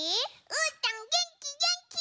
うーたんげんきげんき！